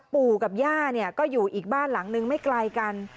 ปู่กับย่าก็อยู่อีกบ้านหลังนึงไม่ไกลกัน